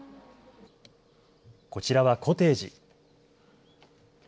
こちらはコテージ。